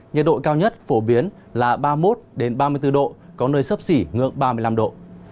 nhiệt độ cao nhất phổ biến là ba mươi một ba mươi bốn độ có nơi sấp xỉ ngưỡng ba mươi năm độ